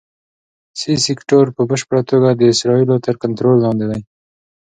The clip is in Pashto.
سي سیکټور په بشپړه توګه د اسرائیلو تر کنټرول لاندې دی.